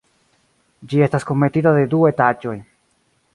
Ĝi estas kunmetita de du etaĝoj.